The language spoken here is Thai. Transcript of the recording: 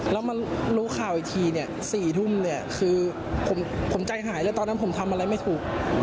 แล้วมารู้ข่าวอีกทีเนี่ย๔ทุ่มเนี่ยคือผมใจหายแล้วตอนนั้นผมทำอะไรไม่ถูก